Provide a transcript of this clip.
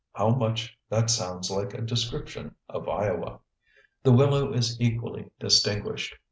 How much that sounds like a description of Iowa! The willow is equally distinguished.